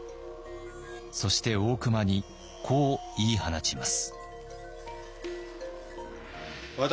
そして大隈にこう言い放ちます。